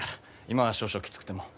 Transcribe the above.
今は少々きつくても。